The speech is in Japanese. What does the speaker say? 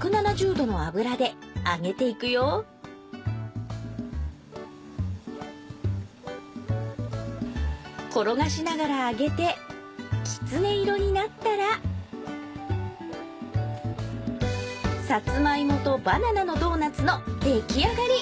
１７０度の油で揚げていくよ転がしながら揚げてきつね色になったらさつまいもとバナナのドーナツの出来上がり。